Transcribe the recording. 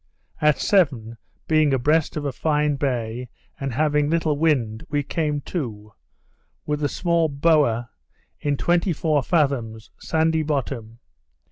At seven, being abreast of a fine bay, and having little wind, we came to, with the small bower, in twenty four fathoms, sandy bottom.